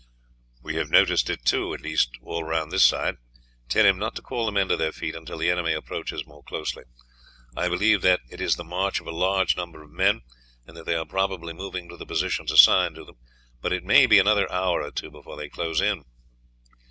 "We have noticed it too at least, all round this side. Tell him not to call the men to their feet until the enemy approaches more closely. I believe that it is the march of a large number of men, and that they are probably moving to the positions assigned to them, but it may be another hour or two before they close in."